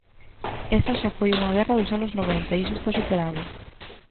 Esa xa foi unha guerra dos anos noventa, iso está superado.